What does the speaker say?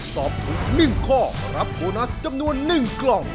ตอบถูก๑ข้อรับโบนัสจำนวน๑กล่อง